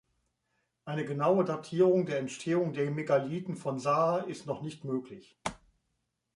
Eine genaue Datierung der Entstehung der Megalithen von Saa ist noch nicht möglich.